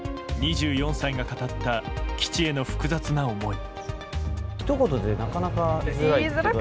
２４歳が語った基地への複雑な思い。